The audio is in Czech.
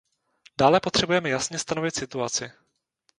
Dále potřebujeme jasně stanovit situaci.